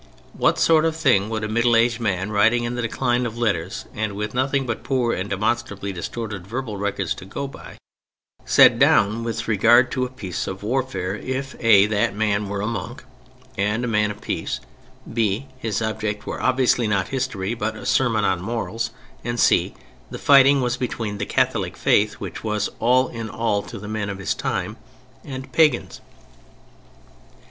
What sort of thing would a middle aged man, writing in the decline of letters and with nothing but poor and demonstrably distorted verbal records to go by, set down with regard to a piece of warfare, if (a) that man were a monk and a man of peace, (b) his object were obviously not history, but a sermon on morals, and (c) the fighting was between the Catholic Faith, which was all in all to the men of his time, and Pagans?